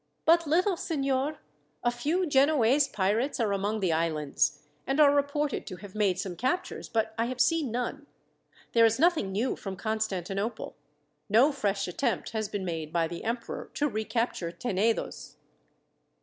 "But little, signor. A few Genoese pirates are among the islands, and are reported to have made some captures, but I have seen none. There is nothing new from Constantinople. No fresh attempt has been made by the emperor to recapture Tenedos."